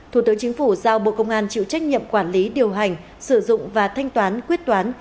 thủ tướng chính phủ giao bộ công an chịu trách nhiệm quản lý điều hành sử dụng và thanh toán quyết toán